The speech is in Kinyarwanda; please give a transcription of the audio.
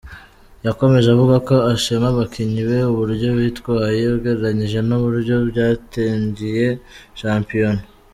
Yakomeje avuga ko ashima abakinnyi be uburyo bitwaye ugereranije n’uburyo btangiye shampiona.